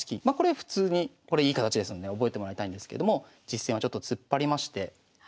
まあこれ普通にこれいい形ですので覚えてもらいたいんですけれども実戦はちょっと突っ張りまして。